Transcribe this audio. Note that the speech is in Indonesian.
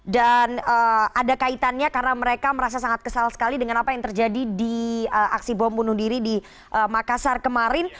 dan ada kaitannya karena mereka merasa sangat kesal sekali dengan apa yang terjadi di aksi bom bunuh diri di makassar kemarin